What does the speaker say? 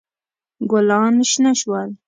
ګلان شنه شول.